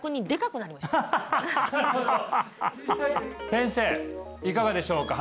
先生いかがでしょうか？